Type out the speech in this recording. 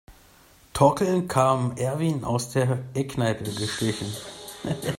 Torkelnd kam Erwin aus der Eckkneipe geschlichen.